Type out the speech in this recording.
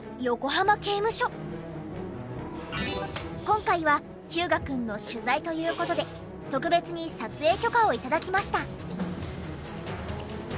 今回は日向くんの取材という事で特別に撮影許可を頂きました。